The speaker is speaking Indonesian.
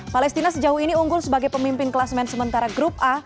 palestina sejauh ini unggul sebagai pemimpin kelasmen sementara grup a